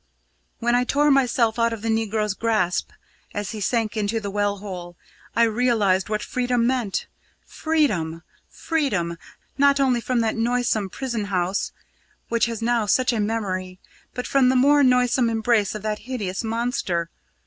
"When I tore myself out of the negro's grasp as he sank into the well hole; I realised what freedom meant. Freedom! Freedom! Not only from that noisome prison house, which has now such a memory, but from the more noisome embrace of that hideous monster.